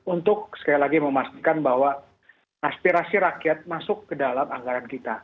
untuk sekali lagi memastikan bahwa aspirasi rakyat masuk ke dalam anggaran kita